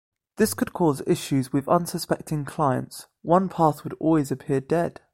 This could cause issues with unsuspecting clients, one path would always appear dead.